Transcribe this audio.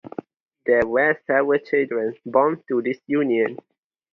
There were several children born to this union.